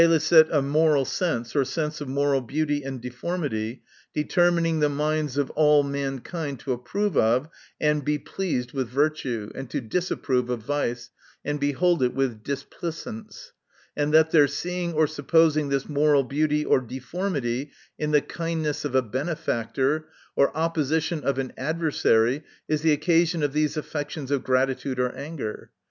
a moral sense, or sense of moral beauty and deformity, determining the minds of all mankind to approve of, and be pleased with virtue, and to disapprove of vice, and behold it with displicence ; and that their seeing or supposing this moral beauty or deformity, in the kindness of a benefactor, or opposition of an adver sary, is the occasion of these affections of gratitude or anger.